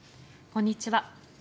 こんにちは。